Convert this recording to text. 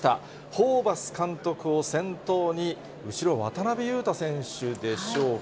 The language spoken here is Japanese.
ホーバス監督を先頭に、後ろ、渡邊雄太選手でしょうか。